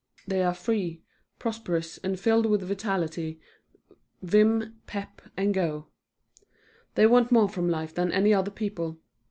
They are free, prosperous and filled with vitality, vim, pep and go. They want more from life than any other people.